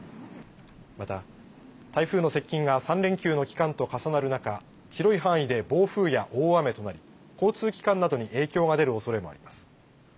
また、台風の接近が３連休の期間と重なる中、広い範囲で暴風や大雨となり交通機関などに影響が出るおそれもあります。